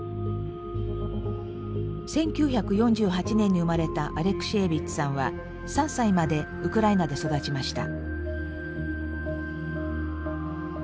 １９４８年に生まれたアレクシエービッチさんは３歳までウクライナで育ちました。